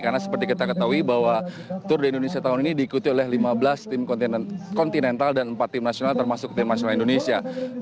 karena seperti kita ketahui bahwa tour de indonesia tahun ini diikuti oleh lima belas tim kontinental dan empat tim nasional termasuk tim nasional indonesia